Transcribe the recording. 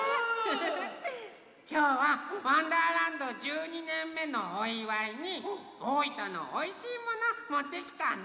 きょうは「わんだーらんど」１２ねんめのおいわいに大分のおいしいものもってきたんだ。